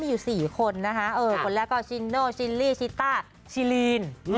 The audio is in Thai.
อยู่๔คนนะคะคนแรกก็ชินโนจิลลี่ชิต้าชิลีน